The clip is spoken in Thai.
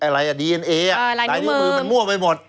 ได้อย่างดิเอนเอะไรมือมั่วไปหมด